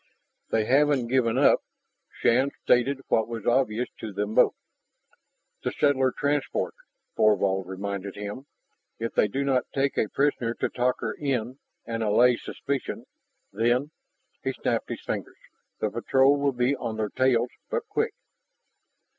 "They haven't given up," Shann stated what was obvious to them both. "The settler transport," Thorvald reminded him. "If they do not take a prisoner to talk her in and allay suspicion, then " he snapped his fingers "the Patrol will be on their tails, but quick!"